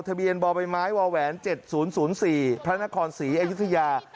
ทะเบียนบบว๗๐๐๔พระนครศรีอยุธยา